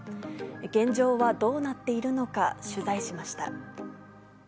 現状はどうなっているのか、取材しました。